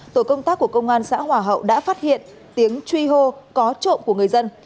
tổ công tác của công an xã hòa hậu đã phát hiện tiếng truy hô có trộm của người dân